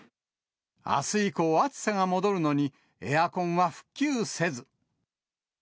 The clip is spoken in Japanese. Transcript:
あす以降、暑さが戻るのに、エアコンは復旧せず。